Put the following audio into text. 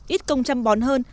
ít công chăm bón hơn